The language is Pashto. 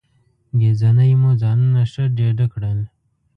ګهیځنۍ مو ځانونه ښه ډېډه کړل.